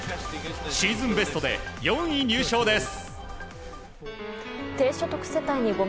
シーズンベストで４位入賞です。